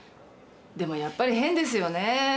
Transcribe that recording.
でもやっぱり変ですよねぇ。